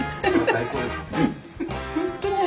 最高ですね。